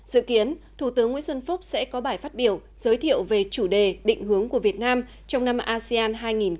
dự kiến thủ tướng nguyễn xuân phúc sẽ có bài phát biểu giới thiệu về chủ đề định hướng của việt nam trong năm asean hai nghìn hai mươi năm